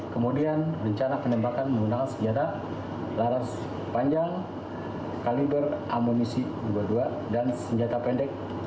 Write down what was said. kemudian rencana penembakan menggunakan senjata laras panjang kaliber amunisi dua puluh dua dan senjata pendek